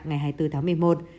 ngày hai mươi bốn tháng một mươi một